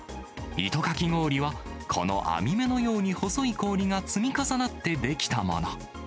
糸かき氷は、この網目のように細い氷が積み重なって出来たもの。